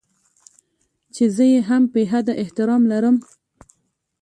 چې زه يې هم بې حده احترام لرم.